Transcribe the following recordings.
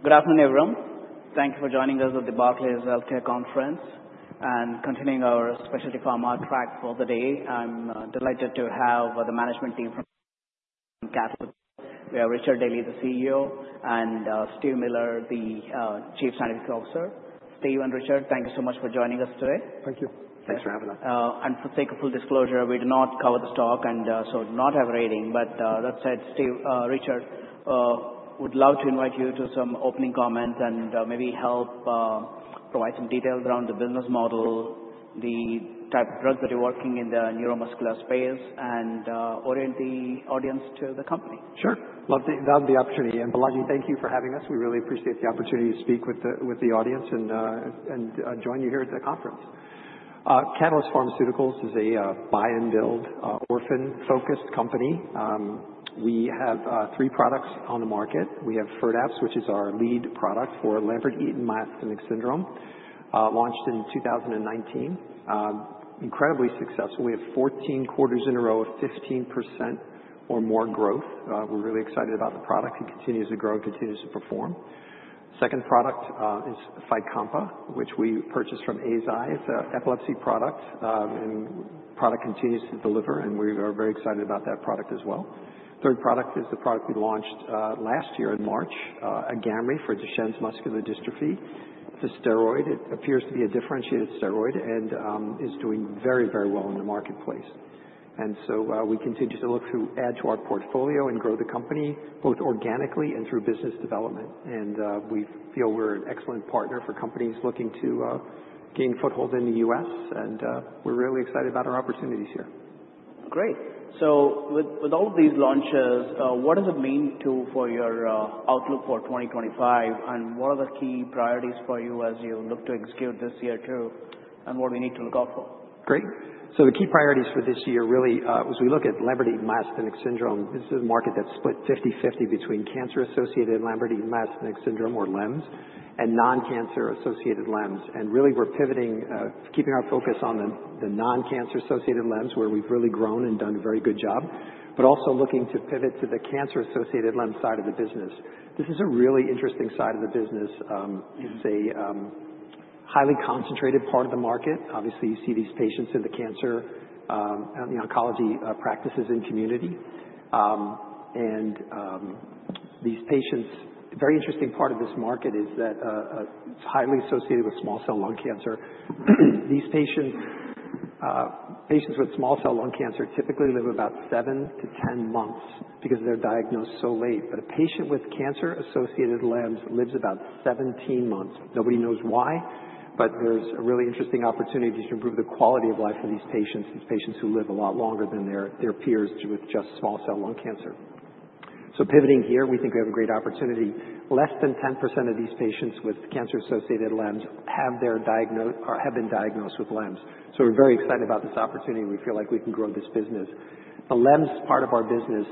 Good afternoon, everyone. Thank you for joining us at the Barclays Healthcare Conference and continuing our Specialty Pharma track for the day. I'm delighted to have the management team from Catalyst. We have Richard Daly, the CEO, and Steve Miller, the Chief Scientific Officer. Steve, and Richard, thank you so much for joining us today. Thank you. Thanks for having us. For the sake of full disclosure, we do not cover the stock and so do not have a rating. That said, Steve, Richard, we'd love to invite you to some opening comments and maybe help provide some details around the business model, the type of drugs that you're working in the neuromuscular space, and orient the audience to the company. Sure. Love the opportunity. Balaji, thank you for having us. We really appreciate the opportunity to speak with the audience and join you here at the conference. Catalyst Pharmaceuticals is a buy-and-build, orphan-focused company. We have three products on the market. We have Firdapse, which is our lead product for Lambert-Eaton myasthenic syndrome, launched in 2019. Incredibly successful. We have 14 quarters in a row of 15% or more growth. We're really excited about the product. It continues to grow and continues to perform. Second product is Fycompa, which we purchased from Eisai. It's an epilepsy product, and the product continues to deliver, and we are very excited about that product as well. Third product is the product we launched last year in March, AGAMREE for Duchenne muscular dystrophy. It's a steroid. It appears to be a differentiated steroid and is doing very, very well in the marketplace. We continue to look to add to our portfolio and grow the company both organically and through business development. We feel we're an excellent partner for companies looking to gain a foothold in the US, and we're really excited about our opportunities here. Great. With all of these launches, what is the main tool for your outlook for 2025, and what are the key priorities for you as you look to execute this year too, and what do we need to look out for? Great. The key priorities for this year really are as we look at Lambert-Eaton myasthenic syndrome, this is a market that's split 50/50 between cancer-associated Lambert-Eaton myasthenic syndrome, or LEMS, and non-cancer-associated LEMS. We are pivoting, keeping our focus on the non-cancer-associated LEMS, where we've really grown and done a very good job, but also looking to pivot to the cancer-associated LEMS side of the business. This is a really interesting side of the business. It's a highly concentrated part of the market. Obviously, you see these patients in the cancer and the oncology practices and community. These patients, a very interesting part of this market is that it's highly associated with small cell lung cancer. Patients with small cell lung cancer typically live about 7-10 months because they're diagnosed so late. A patient with cancer-associated LEMS lives about 17 months. Nobody knows why, but there's a really interesting opportunity to improve the quality of life for these patients, these patients who live a lot longer than their peers with just small cell lung cancer. Pivoting here, we think we have a great opportunity. Less than 10% of these patients with cancer-associated LEMS have been diagnosed with LEMS. We're very excited about this opportunity. We feel like we can grow this business. The LEMS part of our business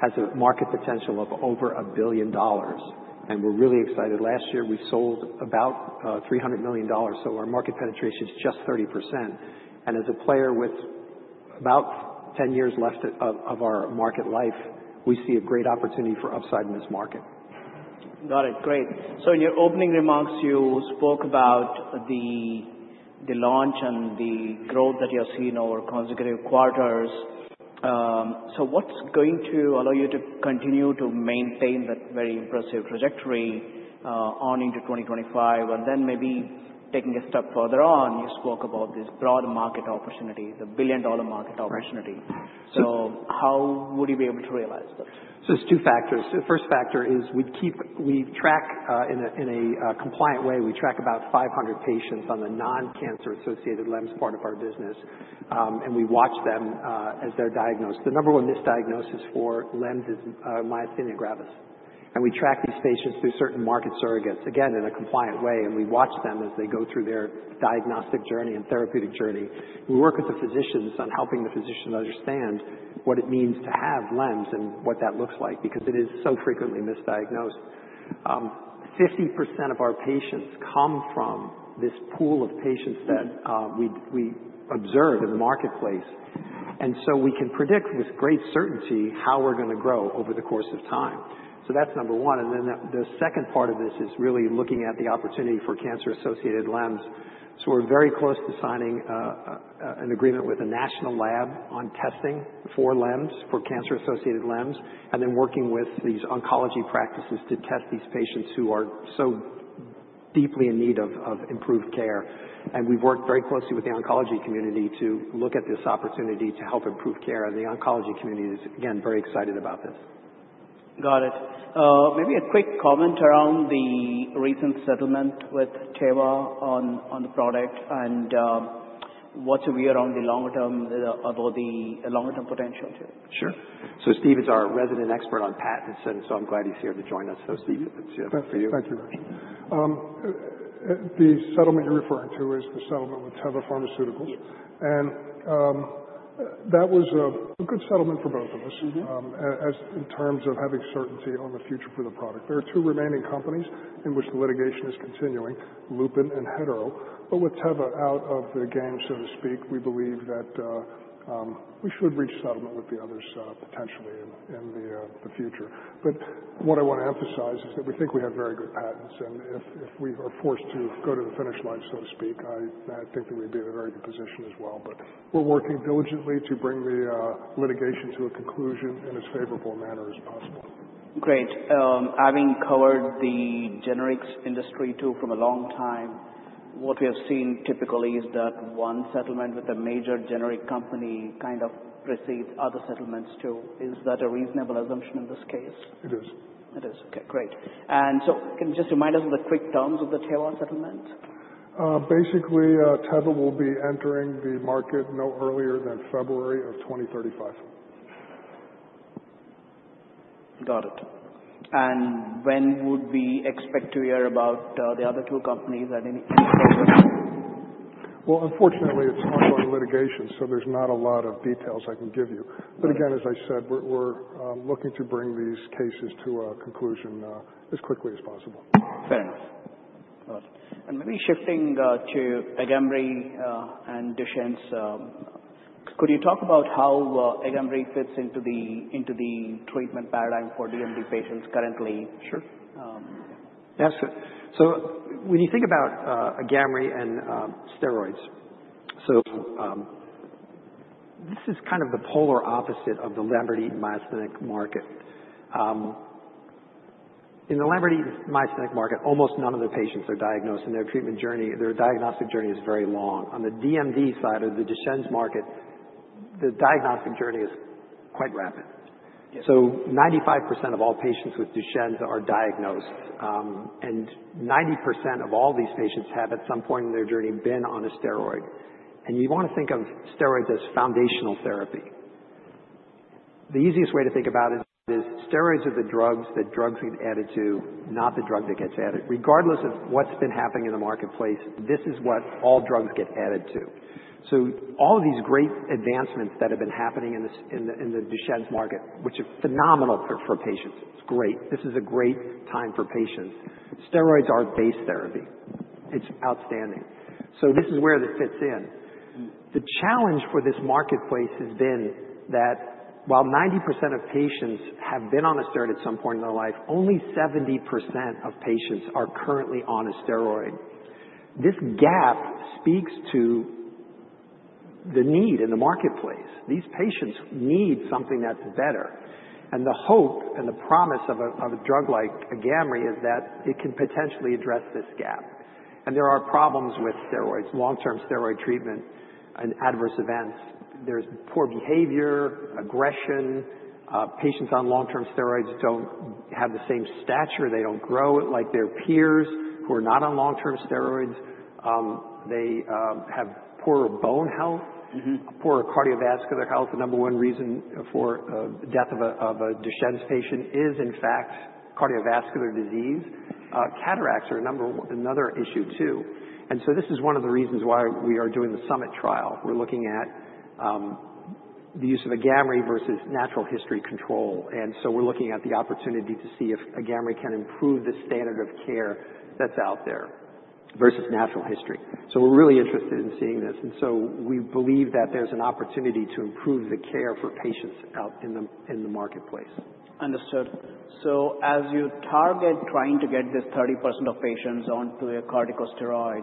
has a market potential of over $1 billion, and we're really excited. Last year, we sold about $300 million, so our market penetration is just 30%. As a player with about 10 years left of our market life, we see a great opportunity for upside in this market. Got it. Great. In your opening remarks, you spoke about the launch and the growth that you've seen over consecutive quarters. What's going to allow you to continue to maintain that very impressive trajectory on into 2025? Maybe taking a step further on, you spoke about this broad market opportunity, the billion-dollar market opportunity. How would you be able to realize that? It is two factors. The first factor is we track in a compliant way. We track about 500 patients on the non-cancer-associated LEMS part of our business, and we watch them as they're diagnosed. The number one misdiagnosis for LEMS is myasthenia gravis. We track these patients through certain market surrogates, again, in a compliant way, and we watch them as they go through their diagnostic journey and therapeutic journey. We work with the physicians on helping the physicians understand what it means to have LEMS and what that looks like because it is so frequently misdiagnosed. 50% of our patients come from this pool of patients that we observe in the marketplace. We can predict with great certainty how we're going to grow over the course of time. That is number one. The second part of this is really looking at the opportunity for cancer-associated LEMS. We are very close to signing an agreement with a national lab on testing for LEMS, for cancer-associated LEMS, and then working with these oncology practices to test these patients who are so deeply in need of improved care. We have worked very closely with the oncology community to look at this opportunity to help improve care. The oncology community is, again, very excited about this. Got it. Maybe a quick comment around the recent settlement with Teva on the product and what's your view around the longer-term potential too? Sure. Steve is our resident expert on patents, and I am glad he is here to join us. Steve, it is for you. Thank you, Rich. The settlement you're referring to is the settlement with Teva Pharmaceuticals. That was a good settlement for both of us in terms of having certainty on the future for the product. There are two remaining companies in which the litigation is continuing, Lupin and Hetero. With Teva out of the game, so to speak, we believe that we should reach settlement with the others potentially in the future. What I want to emphasize is that we think we have very good patents. If we are forced to go to the finish line, so to speak, I think that we'd be in a very good position as well. We're working diligently to bring the litigation to a conclusion in as favorable a manner as possible. Great. Having covered the generics industry too for a long time, what we have seen typically is that one settlement with a major generic company kind of precedes other settlements too. Is that a reasonable assumption in this case? It is. It is. Okay. Great. Can you just remind us of the quick terms of the Teva settlement? Basically, Teva will be entering the market no earlier than February of 2035. Got it. When would we expect to hear about the other two companies? Any progress? Unfortunately, it's ongoing litigation, so there's not a lot of details I can give you. Again, as I said, we're looking to bring these cases to a conclusion as quickly as possible. Fair enough. Maybe shifting to AGAMREE and Duchenne, could you talk about how AGAMREE fits into the treatment paradigm for DMD patients currently? Sure. Yes. When you think about AGAMREE and steroids, this is kind of the polar opposite of the Lambert-Eaton myasthenic market. In the Lambert-Eaton myasthenic market, almost none of the patients are diagnosed, and their diagnostic journey is very long. On the DMD side of the Duchenne's market, the diagnostic journey is quite rapid. 95% of all patients with Duchenne are diagnosed, and 90% of all these patients have at some point in their journey been on a steroid. You want to think of steroids as foundational therapy. The easiest way to think about it is steroids are the drugs that drugs get added to, not the drug that gets added. Regardless of what's been happening in the marketplace, this is what all drugs get added to. All of these great advancements that have been happening in the Duchenne's market, which are phenomenal for patients, it's great. This is a great time for patients. Steroids are base therapy. It's outstanding. This is where this fits in. The challenge for this marketplace has been that while 90% of patients have been on a steroid at some point in their life, only 70% of patients are currently on a steroid. This gap speaks to the need in the marketplace. These patients need something that's better. The hope and the promise of a drug like AGAMREE is that it can potentially address this gap. There are problems with steroids, long-term steroid treatment and adverse events. There's poor behavior, aggression. Patients on long-term steroids don't have the same stature. They don't grow like their peers who are not on long-term steroids. They have poorer bone health, poorer cardiovascular health. The number one reason for death of a Duchenne muscular dystrophy patient is, in fact, cardiovascular disease. Cataracts are another issue too. This is one of the reasons why we are doing the SUMMIT study. We're looking at the use of AGAMREE versus natural history control. We're looking at the opportunity to see if AGAMREE can improve the standard of care that's out there versus natural history. We're really interested in seeing this. We believe that there's an opportunity to improve the care for patients out in the marketplace. Understood. As you target trying to get this 30% of patients onto a corticosteroid,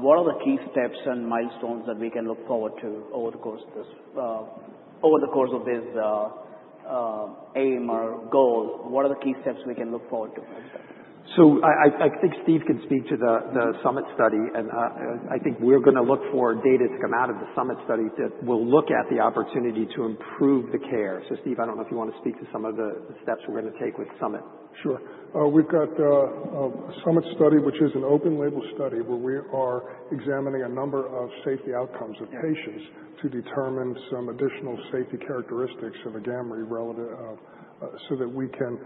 what are the key steps and milestones that we can look forward to over the course of this aim or goal? What are the key steps we can look forward to? I think Steve can speak to the SUMMIT study. I think we're going to look for data to come out of the SUMMIT study that will look at the opportunity to improve the care. Steve, I don't know if you want to speak to some of the steps we're going to take with SUMMIT. Sure. We've got a SUMMIT study, which is an open-label study where we are examining a number of safety outcomes of patients to determine some additional safety characteristics of AGAMREE so that we can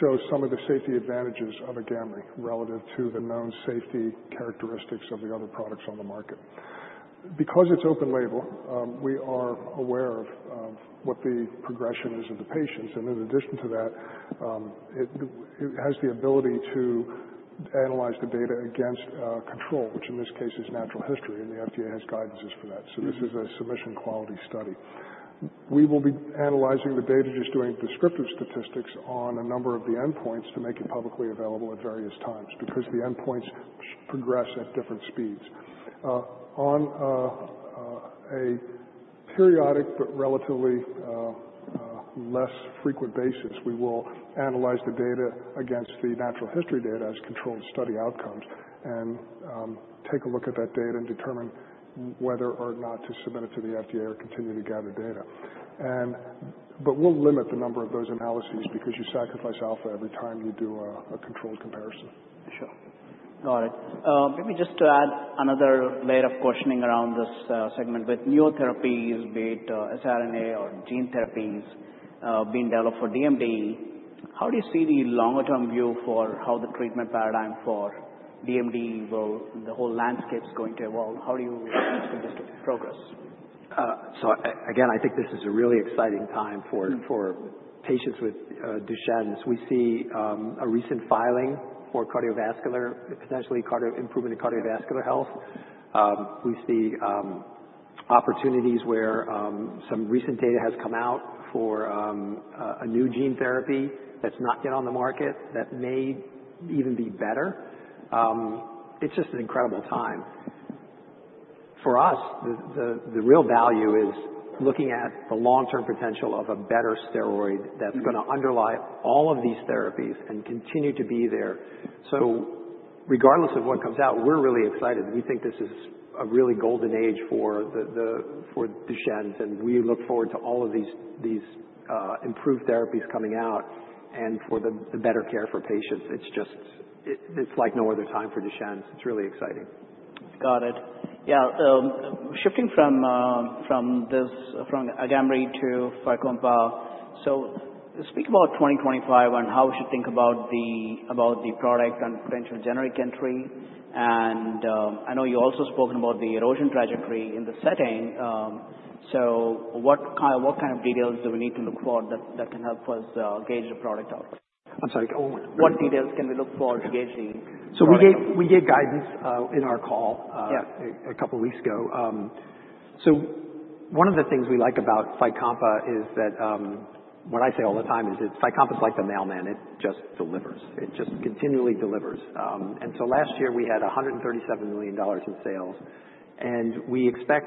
show some of the safety advantages of AGAMREE relative to the known safety characteristics of the other products on the market. Because it's open label, we are aware of what the progression is of the patients. In addition to that, it has the ability to analyze the data against control, which in this case is natural history, and the FDA has guidances for that. This is a submission quality study. We will be analyzing the data, just doing descriptive statistics on a number of the endpoints to make it publicly available at various times because the endpoints progress at different speeds. On a periodic but relatively less frequent basis, we will analyze the data against the natural history data as controlled study outcomes and take a look at that data and determine whether or not to submit it to the FDA or continue to gather data. We will limit the number of those analyses because you sacrifice alpha every time you do a controlled comparison. Sure. Got it. Maybe just to add another layer of questioning around this segment with newer therapies, be it siRNA or gene therapies being developed for DMD, how do you see the longer-term view for how the treatment paradigm for DMD, the whole landscape is going to evolve? How do you suggest it progress? I think this is a really exciting time for patients with Duchenne's. We see a recent filing for cardiovascular, potentially improvement in cardiovascular health. We see opportunities where some recent data has come out for a new gene therapy that's not yet on the market that may even be better. It's just an incredible time. For us, the real value is looking at the long-term potential of a better steroid that's going to underlie all of these therapies and continue to be there. Regardless of what comes out, we're really excited. We think this is a really golden age for Duchenne's, and we look forward to all of these improved therapies coming out. For the better care for patients, it's like no other time for Duchenne's. It's really exciting. Got it. Yeah. Shifting from AGAMREE to Fycompa, speak about 2025 and how we should think about the product and potential generic entry. I know you also spoke about the erosion trajectory in the setting. What kind of details do we need to look for that can help us gauge the product out? I'm sorry. What details can we look for gauging? We gave guidance in our call a couple of weeks ago. One of the things we like about Fycompa is that what I say all the time is Fycompa is like the mailman. It just delivers. It just continually delivers. Last year, we had $137 million in sales, and we expect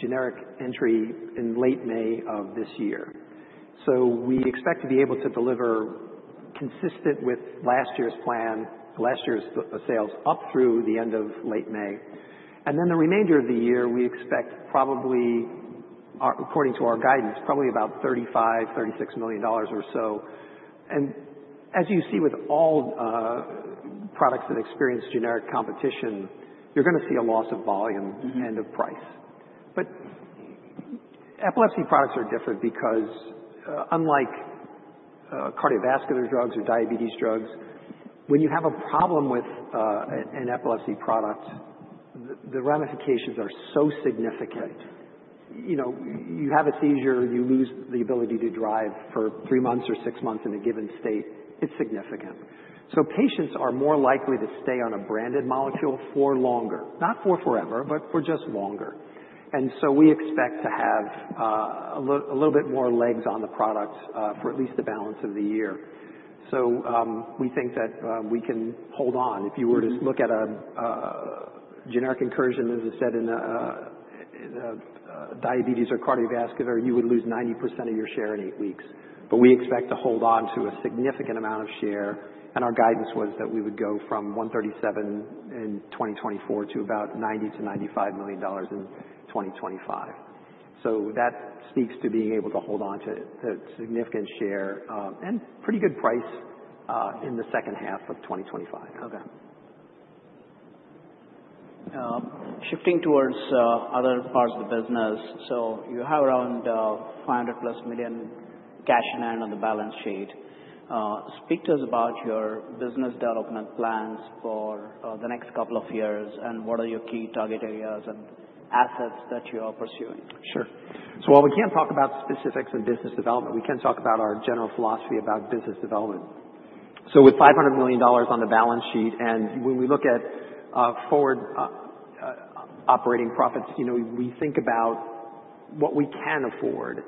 generic entry in late May of this year. We expect to be able to deliver consistent with last year's plan, last year's sales up through the end of late May. The remainder of the year, we expect probably, according to our guidance, probably about $35-$36 million or so. As you see with all products that experience generic competition, you're going to see a loss of volume and of price. Epilepsy products are different because unlike cardiovascular drugs or diabetes drugs, when you have a problem with an epilepsy product, the ramifications are so significant. You have a seizure, you lose the ability to drive for three months or six months in a given state. It is significant. Patients are more likely to stay on a branded molecule for longer, not for forever, but for just longer. We expect to have a little bit more legs on the product for at least the balance of the year. We think that we can hold on. If you were to look at a generic incursion, as I said, in diabetes or cardiovascular, you would lose 90% of your share in eight weeks. We expect to hold on to a significant amount of share. Our guidance was that we would go from $137 million in 2024 to about $90-$95 million in 2025. That speaks to being able to hold on to a significant share and pretty good price in the second half of 2025. Okay. Shifting towards other parts of the business, you have around $500 million plus cash in hand on the balance sheet. Speak to us about your business development plans for the next couple of years and what are your key target areas and assets that you are pursuing. Sure. While we can't talk about specifics in business development, we can talk about our general philosophy about business development. With $500 million on the balance sheet and when we look at forward operating profits, we think about what we can afford.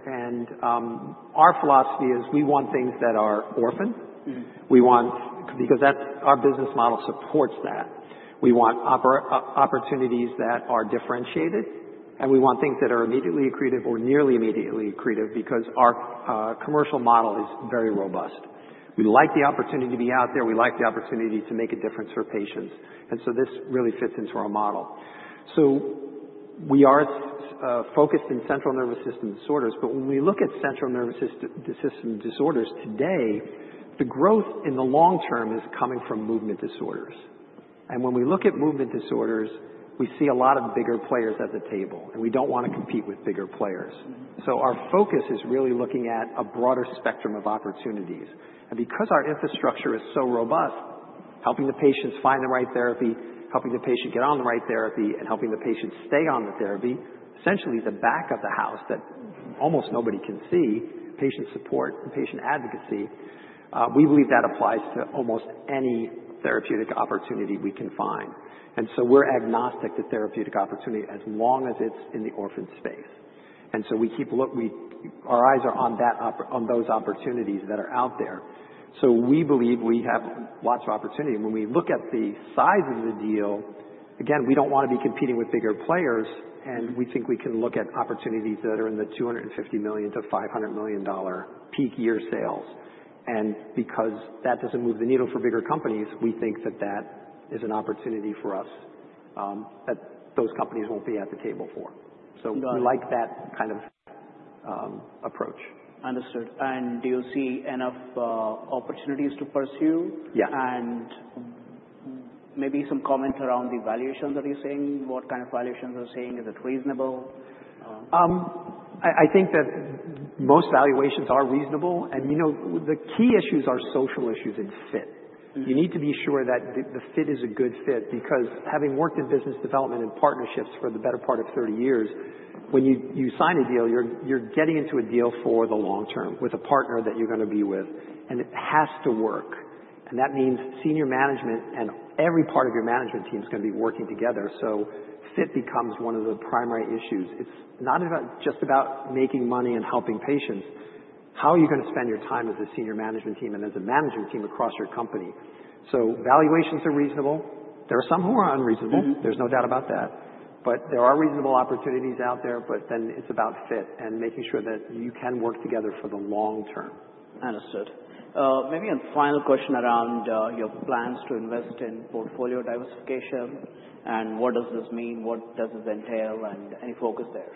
Our philosophy is we want things that are orphaned because our business model supports that. We want opportunities that are differentiated, and we want things that are immediately accretive or nearly immediately accretive because our commercial model is very robust. We like the opportunity to be out there. We like the opportunity to make a difference for patients. This really fits into our model. We are focused in central nervous system disorders. When we look at central nervous system disorders today, the growth in the long term is coming from movement disorders. When we look at movement disorders, we see a lot of bigger players at the table, and we don't want to compete with bigger players. Our focus is really looking at a broader spectrum of opportunities. Because our infrastructure is so robust, helping the patients find the right therapy, helping the patient get on the right therapy, and helping the patient stay on the therapy, essentially the back of the house that almost nobody can see, patient support and patient advocacy, we believe that applies to almost any therapeutic opportunity we can find. We are agnostic to therapeutic opportunity as long as it's in the orphaned space. Our eyes are on those opportunities that are out there. We believe we have lots of opportunity. When we look at the size of the deal, again, we do not want to be competing with bigger players, and we think we can look at opportunities that are in the $250 million-$500 million peak year sales. Because that does not move the needle for bigger companies, we think that that is an opportunity for us that those companies will not be at the table for. We like that kind of approach. Understood. Do you see enough opportunities to pursue? Yeah. Maybe some comment around the valuations that you're seeing. What kind of valuations are you seeing? Is it reasonable? I think that most valuations are reasonable. The key issues are social issues and fit. You need to be sure that the fit is a good fit because having worked in business development and partnerships for the better part of 30 years, when you sign a deal, you're getting into a deal for the long term with a partner that you're going to be with, and it has to work. That means senior management and every part of your management team is going to be working together. Fit becomes one of the primary issues. It's not just about making money and helping patients. How are you going to spend your time as a senior management team and as a management team across your company? Valuations are reasonable. There are some who are unreasonable. There's no doubt about that. There are reasonable opportunities out there, but then it's about fit and making sure that you can work together for the long term. Understood. Maybe a final question around your plans to invest in portfolio diversification and what does this mean, what does this entail, and any focus there?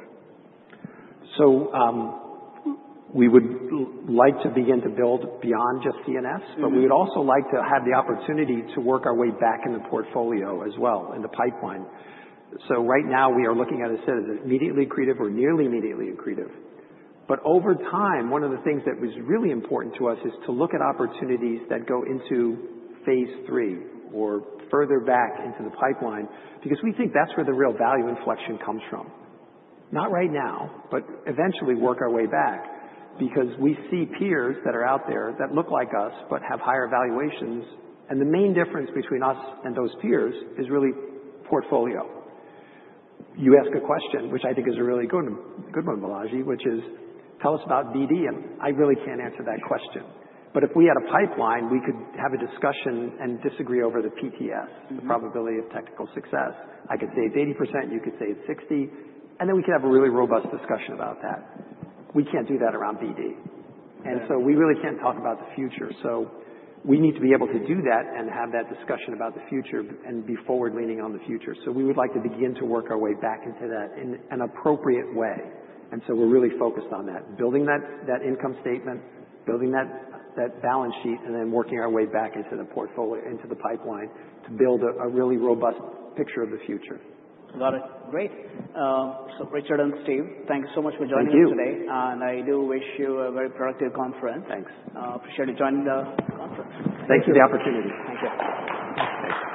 We would like to begin to build beyond just CNS, but we would also like to have the opportunity to work our way back in the portfolio as well in the pipeline. Right now, we are looking at a set of immediately accretive or nearly immediately accretive. Over time, one of the things that was really important to us is to look at opportunities that go into phase three or further back into the pipeline because we think that is where the real value inflection comes from. Not right now, but eventually work our way back because we see peers that are out there that look like us but have higher valuations. The main difference between us and those peers is really portfolio. You ask a question, which I think is a really good one, Balaji, which is, tell us about BD, and I really can't answer that question. If we had a pipeline, we could have a discussion and disagree over the PTS, the probability of technical success. I could say it's 80%, you could say it's 60%, and then we could have a really robust discussion about that. We can't do that around BD. We really can't talk about the future. We need to be able to do that and have that discussion about the future and be forward-leaning on the future. We would like to begin to work our way back into that in an appropriate way. We're really focused on that, building that income statement, building that balance sheet, and then working our way back into the pipeline to build a really robust picture of the future. Got it. Great. Richard and Steve, thank you so much for joining us today. Thank you. I do wish you a very productive conference. Thanks. Appreciate you joining the conference. Thank you for the opportunity. Thank you.